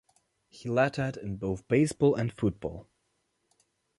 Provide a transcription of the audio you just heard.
He lettered in both baseball and football.